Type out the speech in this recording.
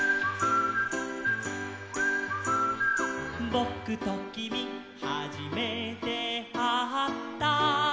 「ぼくときみはじめてあった」